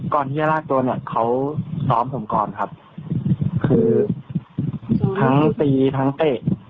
ก่อนที่จะลากตัวเนี่ยเขาซ้อมผมก่อนครับคือทั้งตีทั้งเตะ